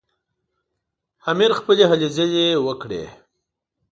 امیر خپلې هلې ځلې وکړې.